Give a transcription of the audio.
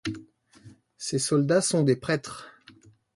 Ces soldats sont des prêtres.